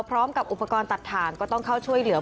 พร้อมกับอุปกรณ์ตัดถ่างก็ต้องเข้าช่วยเหลือ